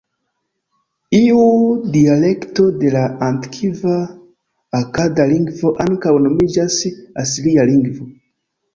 Iu dialekto de la antikva akada lingvo ankaŭ nomiĝas Asiria lingvo.